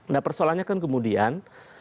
nah persoalannya kan kemudian